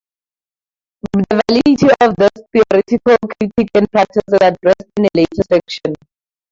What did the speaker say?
The validity of this theoretical critique in practice is addressed in a later section.